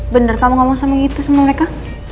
bener kamu ngomong sama itu sama mereka